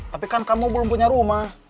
tapi kan kamu belum punya rumah